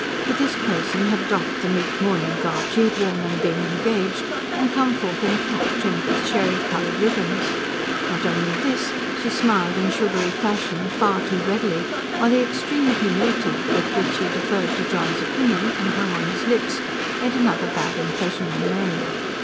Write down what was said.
For this person had doffed the neat mourning garb she had worn when being engaged, and come forth in a cap trimmed with cherry coloured ribbons. Not only this, she smiled in sugary fashion and far too readily; while the extreme humility with which she deferred to John's opinion, and hung on his lips, made another bad impression on Mary.